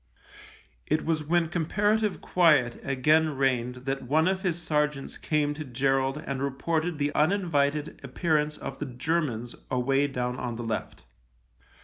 It was when comparative quiet again reigned that one of his sergeants came to Gerald and reported the uninvited appearance of the Germans away down on the left.